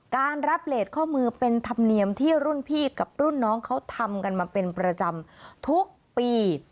การรับเลสข้อมือเป็นธรรมเนียมที่รุ่นพี่กับรุ่นน้องเขาทำกันมาเป็นประจำทุกปี